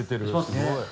すごい。